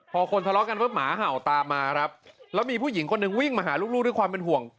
พอคนทะเลาะกันปุ๊บหมาเห่าตามมาครับแล้วมีผู้หญิงคนหนึ่งวิ่งมาหาลูกด้วยความเป็นห่วง